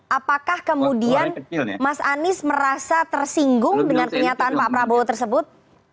apakah kemudian mas anies merasa tersinggung dengan pernyataan pak prabowo tersebut